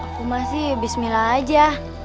aku masih bismillah aja